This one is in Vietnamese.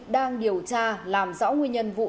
đang điều tra làm rõ nguyên nhân vụ